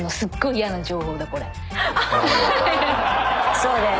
そうだよね。